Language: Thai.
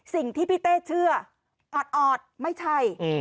สิ่งที่พี่เต้เชื่อออดไม่ใช่